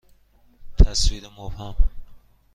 تصویر مبهم است.